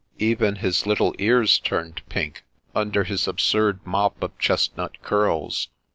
Even his little ears turned pink, under his absurd mop of chestnut curls.